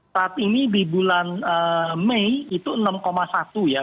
saat ini di bulan mei itu enam satu ya